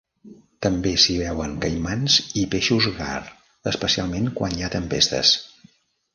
També s'hi veuen caimans i peixos gar, especialment quan hi ha tempestes.